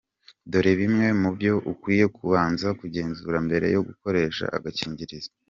Dore bimwe mu byo ukwiye kubanza kugenzura mbere yo gukoresha agakingirizo:.